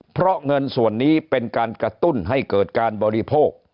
เพราะเงินส่วนนี้เป็นการกระตุ้นให้เกิดการบริโภค